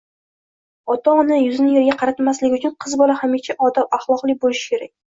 Ota-ona yuzini yerga qaratmaslik uchun qiz bola hamisha odob-axloqli bo‘lishi kerak.